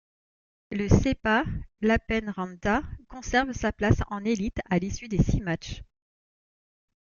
Le SaiPa Lappeenranta conserve sa place en élite à l'issue des six matchs.